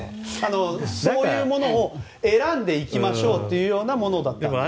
そういうもの選んでいきましょうというものだったんですね。